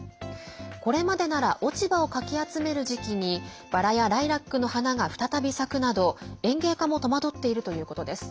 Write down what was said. これまでなら落ち葉をかき集める時期にバラやライラックの花が再び咲くなど園芸家も戸惑っているということです。